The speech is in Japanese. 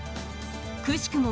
くしくも